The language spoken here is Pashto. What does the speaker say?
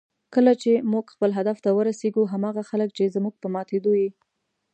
کله چې موږ خپل هدف ته ورسېږو، هماغه خلک چې زموږ په ماتېدو یې